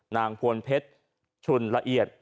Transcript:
พวนเพชรชุนละเอียด